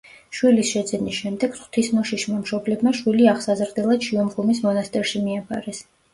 შვილის შეძენის შემდეგ ღვთისმოშიშმა მშობლებმა შვილი აღსაზრდელად შიო მღვიმის მონასტერში მიაბარეს.